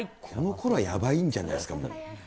このころはやばいんじゃないんですか。